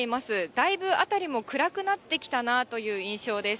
だいぶ辺りも暗くなってきたなという印象です。